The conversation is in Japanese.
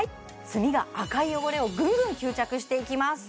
炭が赤い汚れをぐんぐん吸着していきます